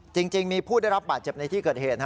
จริงมีผู้ได้รับบาดเจ็บในที่เกิดเหตุ